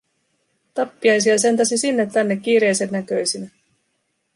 Tappiaisia säntäsi sinne tänne kiireisen näköisinä.